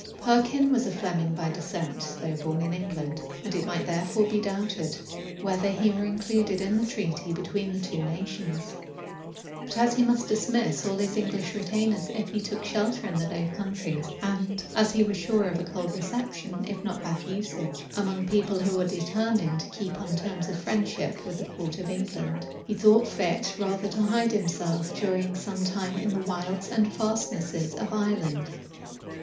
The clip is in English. Perkin was a Fleming by descent, though born in England; and it might therefore be doubted whether he were included in the treaty between the two nations: but as he must dismiss all his English retainers if he took shelter in the Low Countries, and as he was sure of a cold reception, if not bad usage, among people who were determined to keep on terms of friendship with the court of England, he thought fit rather to hide himself during some time in the wilds and fastnesses of Ireland.